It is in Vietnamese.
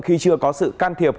khi chưa có sự can thiệp